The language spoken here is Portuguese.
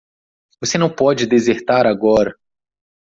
Você não pode desertar agora.